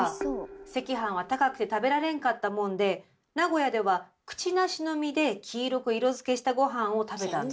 赤飯は高くて食べられんかったもんで名古屋ではくちなしの実で黄色く色づけした御飯を食べたんだわ。